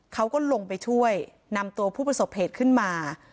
เขาก็ลงไปช่วยนำตัวผู้ประสบเหตุขึ้นมา